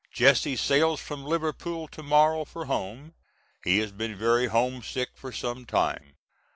Jesse sails from Liverpool to morrow for home. He has been very homesick for some time.